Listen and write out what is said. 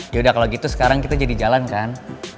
yaudah kalau gitu sekarang kita jadi jalan kan